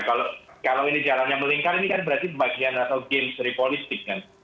nah kalau ini jalannya melingkar ini kan berarti bagian atau game seri politik kan